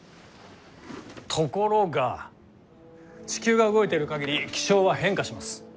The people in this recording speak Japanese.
ところが地球が動いてる限り気象は変化します。